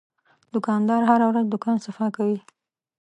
دوکاندار هره ورځ دوکان صفا کوي.